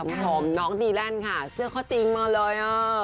คุณผู้ชมน้องดีแลนด์ค่ะเสื้อข้อจริงมาเลย